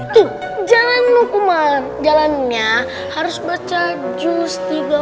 tuh jalanin hukuman jalaninnya harus baca cus tiga puluh